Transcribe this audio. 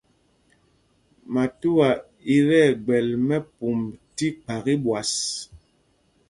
Matauá í tí ɛgbɛl mɛ́pûmb tí kphak íɓwas.